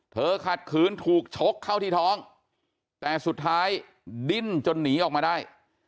ขัดขืนถูกชกเข้าที่ท้องแต่สุดท้ายดิ้นจนหนีออกมาได้